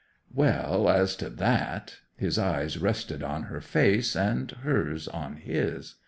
'"Well, as to that—" His eyes rested on her face, and hers on his.